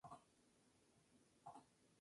Etimológicamente su nombre sería "Mamá Brigitte".